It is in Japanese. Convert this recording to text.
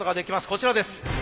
こちらです。